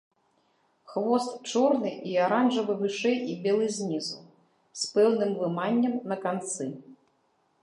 Хвост чорны і аранжавы вышэй і белы знізу, з пэўным выманнем на канцы.